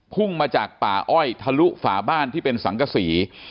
พุ่งมาจากป่าอ้อยทะลุฝาบ้านที่เป็นสังกษี